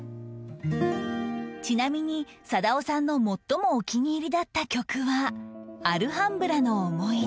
ちなみに貞雄さんの最もお気に入りだった曲は『アルハンブラの思い出』